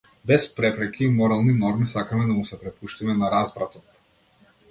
Без препреки и морални норми сакаме да му се препуштиме на развратот.